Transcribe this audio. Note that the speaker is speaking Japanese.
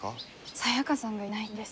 サヤカさんがいないんです。